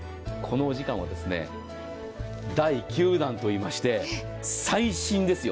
このお時間は第９弾と言いまして、最新ですよ。